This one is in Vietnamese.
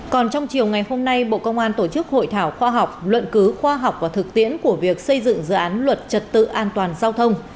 còn trong chiều ngày hôm nay bộ công an tổ chức hội thảo khoa học luận cứ khoa học và thực tiễn của việc xây dựng dự án luật trật tự an toàn giao thông